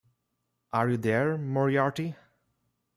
Are you there Moriarty?